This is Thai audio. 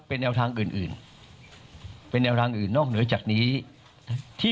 เป็นแนวทางอื่นอื่นเป็นแนวทางอื่นนอกเหนือจากนี้ที่